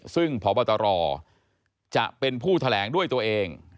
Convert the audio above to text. ซึ่งพบตรจะเป็นผู้แถลงด้วยตัวเอง